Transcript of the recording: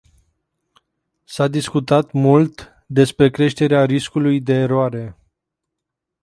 S-a discutat mult despre creșterea riscului de eroare.